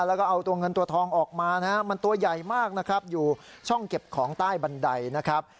แล้วก็เอาตัวเงินตัวทองออกมานะฮะมันตัวใหญ่มากนะครับอยู่ช่องเก็บของใต้บันไดนะครับ